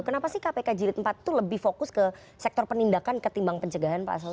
kenapa sih kpk jilid empat itu lebih fokus ke sektor penindakan ketimbang pencegahan pak saud